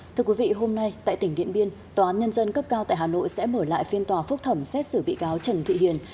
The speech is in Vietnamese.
thưa quý vị hôm nay tại tỉnh điện biên tòa án nhân dân cấp cao tại hà nội sẽ mở lại phiên tòa phúc thẩm xét xử bị cáo trần thị hiền